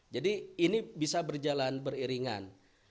jadi ini bisa berjalan beriringan